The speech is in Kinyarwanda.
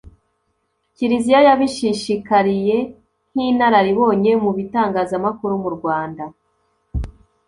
kiliziya yabishishikariye nk'inararibonye mu bitangazamakuru mu rwanda